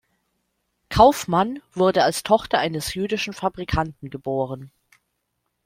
Kauffmann wurde als Tochter eines jüdischen Fabrikanten geboren.